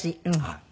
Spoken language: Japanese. はい。